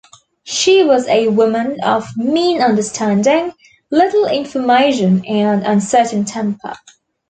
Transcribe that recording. She was a woman of mean understanding, little information, and uncertain temper.